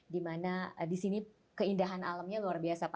di mana di sini keindahan alamnya luar biasa